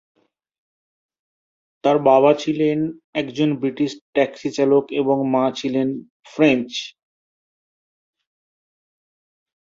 তার বাবা ছিলেন একজন ব্রিটিশ ট্যাক্সি চালক এবং মা ছিলেন ফ্রেঞ্চ।